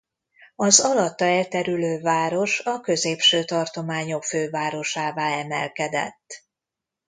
Az alatta elterülő város a középső tartományok fővárosává emelkedett.